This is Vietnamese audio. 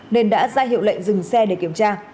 nên đã ra hiệu lệnh dừng xe để kiểm tra